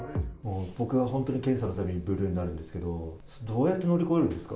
僕は本当に検査のたびにブルーになるんですけど、どうやって乗り越えるんですか？